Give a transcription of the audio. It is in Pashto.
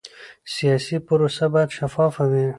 سیاسي پروسه باید شفافه وي